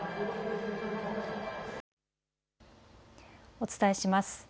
お伝えします。